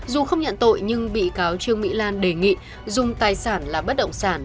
dù không nhận tội nhưng bị cáo trương mỹ lan đề nghị dùng tài sản là bất động sản